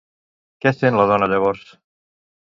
Què sent la dona llavors?